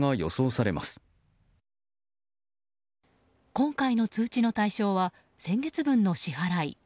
今回の通知の対象は先月分の支払い。